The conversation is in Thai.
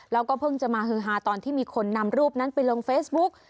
แล้วก็เพิ่งจะมาฮือฮาตอนที่มีคนนำรูปนั้นไปลงเฟซบุ๊ก